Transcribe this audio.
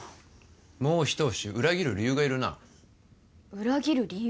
もうひと押し裏切る理由がいるな裏切る理由？